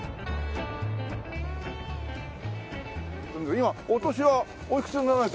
今お年はおいくつになられた？